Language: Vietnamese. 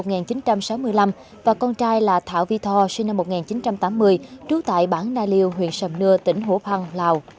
sinh năm một nghìn chín trăm sáu mươi năm và con trai là thảo vi tho sinh năm một nghìn chín trăm tám mươi trú tại bảng na liêu huyện sầm nưa tỉnh hùa phan lào